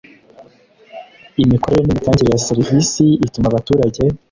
imikorere n imitangire ya serivisi ituma abaturage